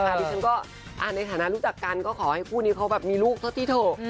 ดิฉันก็ในฐานะรู้จักกันก็ขอให้คู่นี้เขาแบบมีลูกเท่าที่เถอะ